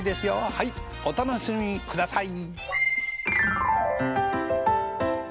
はいお楽しみください。